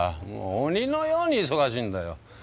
もう鬼のように忙しいんだよ。